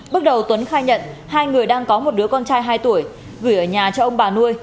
bước đầu tuấn khai nhận hai người đang có một đứa con trai hai tuổi gửi ở nhà cho ông bà nuôi